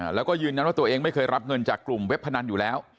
แล้วก็ยืนยันว่าตัวเองไม่เคยรับเงินจากกลุ่มเว็บพนันอยู่แล้ว